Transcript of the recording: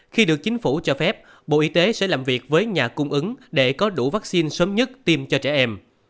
khi được chính phủ cho phép bộ y tế sẽ làm việc với nhà cung ứng để có đủ vaccine sớm nhất tiêm cho trẻ em